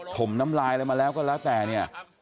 มน้ำลายอะไรมาแล้วก็แล้วแต่เนี่ย